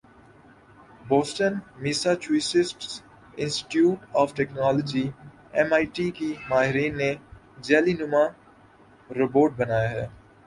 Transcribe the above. Boston Massachusetts institute of technology M I T کے ماہرین نے jelly نما روبوٹ بنایا ہے